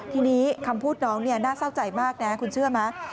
ทีนี้คำพูดน้องน่าเศร้าใจมากนะคุณเชื่อไหม